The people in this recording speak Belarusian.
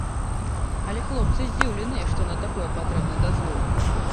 Але хлопцы здзіўленыя, што на такое патрэбны дазвол.